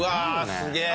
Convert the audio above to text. すげえ。